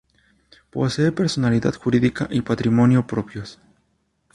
Posee personalidad jurídica y patrimonio propios.